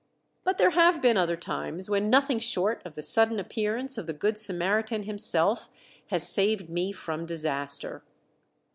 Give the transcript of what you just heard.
But there have been other times when nothing short of the sudden appearance of the Good Samaritan himself has saved me from disaster.